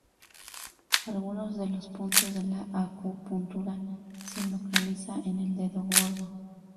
Algunos de los puntos de la acupuntura se localizan en el dedo gordo.